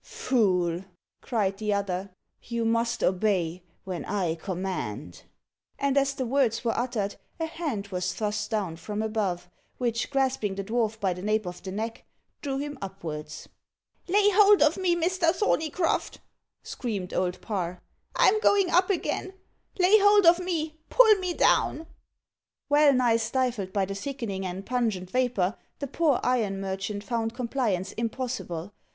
"Fool!" cried the other. "You must obey when I command." And as the words were uttered, a hand was thrust down from above, which, grasping the dwarf by the nape of the neck, drew him upwards. "Lay hold of me, Mr. Thorneycroft," screamed Old Parr. "I'm going up again lay hold of me pull me down." Well nigh stifled by the thickening and pungent vapour, the poor iron merchant found compliance impossible.